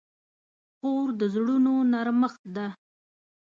خور د زړونو نرمښت ده.